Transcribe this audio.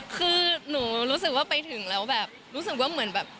คือหนูรู้สึกว่าไปถึงแล้วแบบรู้สึกว่าเหมือนแบบ